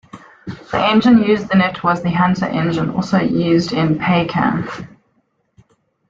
The engine used in it was the Hunter engine also used in the Paykan.